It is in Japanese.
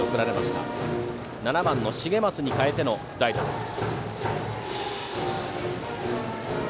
７番の重舛に代えての代打です。